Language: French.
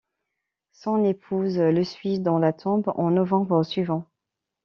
Son épouse le suit dans la tombe en novembre suivant.